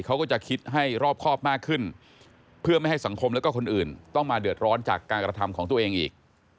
เขาก็จะคิดให้รอบครอบมากขึ้นเพื่อไม่ให้สังคมแล้วก็คนอื่นต้องมาเดือดร้อนจากการกระทำของตัวเองอีก